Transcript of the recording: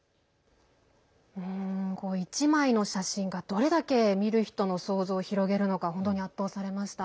１枚の写真がどれだけ見る人の想像を広げるのか圧倒されました。